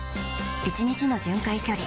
１日の巡回距離